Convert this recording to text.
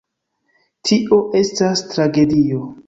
Tio estas tragedio.